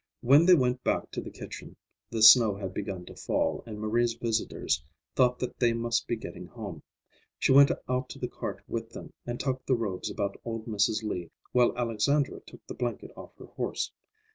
When they went back to the kitchen, the snow had begun to fall, and Marie's visitors thought they must be getting home. She went out to the cart with them, and tucked the robes about old Mrs. Lee while Alexandra took the blanket off her horse.